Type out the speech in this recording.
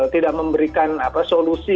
tidak memberikan solusi